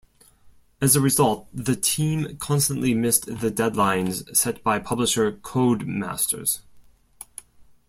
As a result, the team constantly missed the deadlines set by publisher Codemasters.